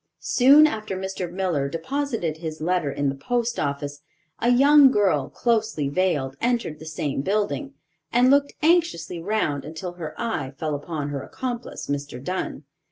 Soon after Mr. Miller deposited his letter in the post office, a young girl, closely veiled, entered the same building, and looked anxiously round until her eye fell upon her accomplice, Mr. Dunn.